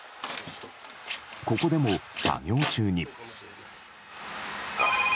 ここでも作業中に。